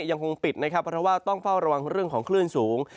ยังคงปิดนะครับเพราะว่าต้องเฝ้าระวังเรื่องของคลื่นสูง